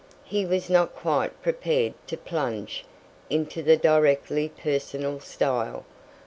He was not quite prepared to plunge into the directly personal style.